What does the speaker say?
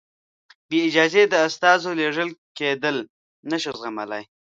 بې اجازې د استازو لېږل کېدل نه شو زغملای.